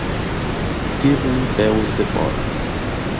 Dir-li peus de porc.